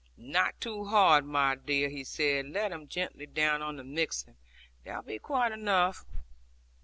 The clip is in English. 'Not too hard, my dear,' he said: 'led him gently down on the mixen. That will be quite enough.'